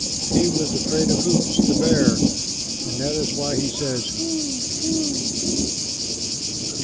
He was afraid of Hoots, the bear, and that is why he says Hoo, hoo!'"